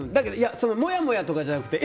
もやもやとかじゃなくてえ？